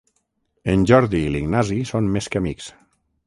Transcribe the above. En Jordi i l'Ignasi són més que amics.